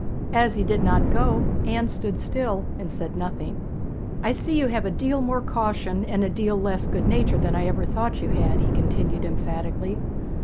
As he did not go Anne stood still and said nothing. 'I see you have a deal more caution and a deal less good nature than I ever thought you had,' he continued emphatically.